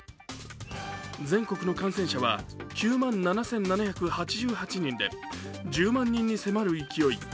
全国の感染者は９万７７８８人で、１０万人に迫る勢い。